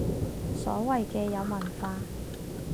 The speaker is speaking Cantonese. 所謂嘅有文化